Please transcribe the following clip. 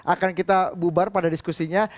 akan kita bubar pada diskusinya